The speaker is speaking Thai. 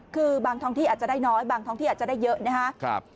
คือบางท้องที่อาจจะได้น้อยบางท้องที่อาจจะได้เยอะนะครับ